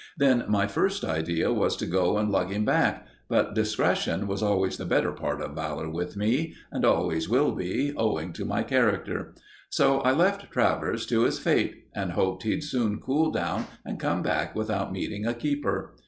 Then my first idea was to go and lug him back; but discretion was always the better part of valour with me, and always will be, owing to my character; so I left Travers to his fate, and hoped he'd soon cool down and come back without meeting a keeper.